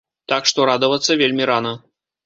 Так што радавацца вельмі рана.